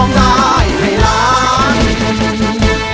ทางทีมงานขอเช็คเทป